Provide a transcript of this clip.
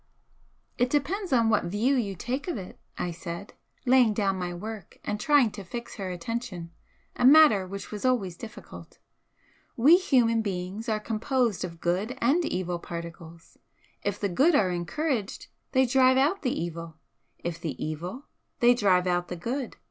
"It depends on what view you take of it," I said, laying down my work and trying to fix her attention, a matter which was always difficult "We human beings are composed of good and evil particles. If the good are encouraged, they drive out the evil, if the evil, they drive out the good.